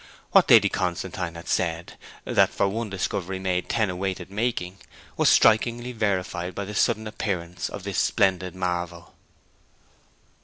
What Lady Constantine had said, that for one discovery made ten awaited making, was strikingly verified by the sudden appearance of this splendid marvel.